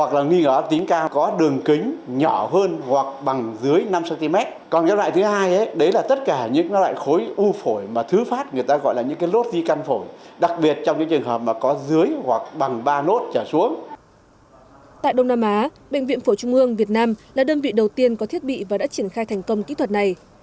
tại đông nam á bệnh viện phổi trung ương việt nam là đơn vị đầu tiên có thiết bị và đã triển khai thành công kỹ thuật này